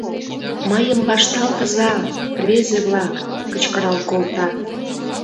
— Мыйым вашталтыза-а, рвезе-влак! — кычкырал колта.